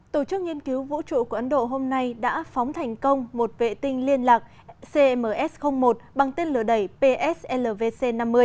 tổ chức nghiên cứu vũ trụ của ấn độ hôm nay đã phóng thành công một vệ tinh liên lạc cms một bằng tên lửa đẩy pslvc năm mươi